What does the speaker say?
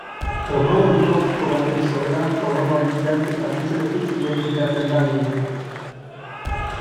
Programa informatiko baten sorrera programaren idazketa hutsarekin identifikatzen da gehienetan.